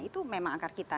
itu memang akar kita